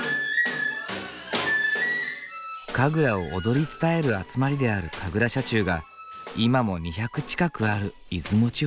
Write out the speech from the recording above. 神楽を踊り伝える集まりである神楽社中が今も２００近くある出雲地方。